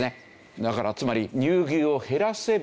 だからつまり乳牛を減らせば。